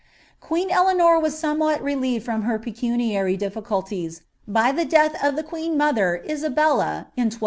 Qpeen Eleanor was somewhat relieved from her pecuniary difficulties Ky the death of the queen mother, Isabella, in 1246.